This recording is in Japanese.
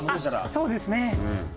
そうですね。